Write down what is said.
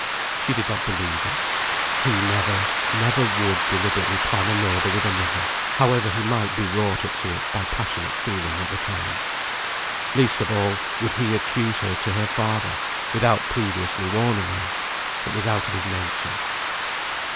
she did not believe it; he never, never would deliberately plan a murder with another, however he might be wrought up to it by passionate feeling at the time. Least of all would he accuse her to her father, without previously warning her; it was out of his nature).